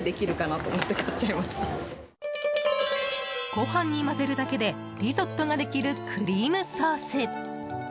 ご飯に混ぜるだけでリゾットができるクリームソース。